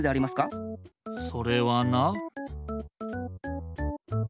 それはな。